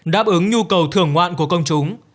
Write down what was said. đáp ứng nhu cầu thưởng ngoạn của công chúng